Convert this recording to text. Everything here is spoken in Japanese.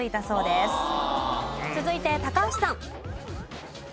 続いて高橋さん。